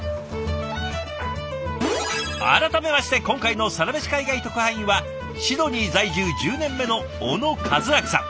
改めまして今回のサラメシ海外特派員はシドニー在住１０年目の小野一秋さん。